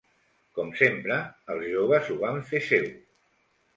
Com sempre, els joves ho van fer seu.